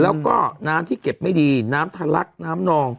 แล้วก็น้ำที่เก็บไม่ดีน้ำทะลักน้ำนอง